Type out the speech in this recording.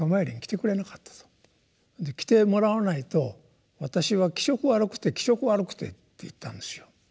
「来てもらわないと私は気色悪くて気色悪くて」って言ったんですよ。